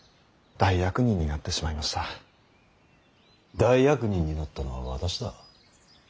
大悪人になったのは私だ。